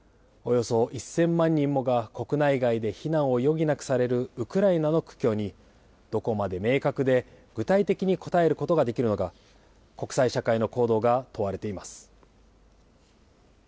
およそ１０００万人もが国内外で避難を余儀なくされるウクライナの苦境に、どこまで明確で具体的に応えることができるのか、国際社会の行動が問われています。